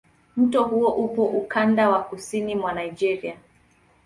Mto huo upo ukanda wa kusini mwa Nigeria.